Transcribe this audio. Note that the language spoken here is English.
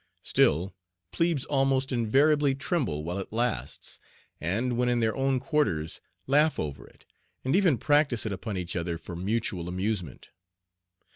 Still "plebes" almost invariably tremble while it lasts, and when in their own quarters laugh over it, and even practise it upon each other for mutual amusement.